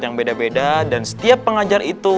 yang beda beda dan setiap pengajar itu